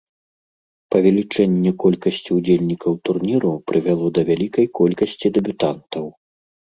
Павелічэнне колькасці ўдзельнікаў турніру прывяло да вялікай колькасці дэбютантаў.